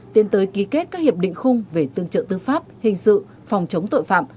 tiến tới ký kết các hiệp định khung về tương trợ tư pháp hình sự phòng chống tội phạm